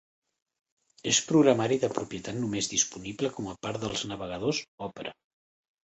És programari de propietat només disponible com a part dels navegadors Opera.